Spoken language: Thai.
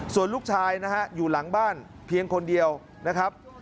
ส่วนลูกชายนะฮะอยู่หลังบ้านเพียงคนเดียวนะครับ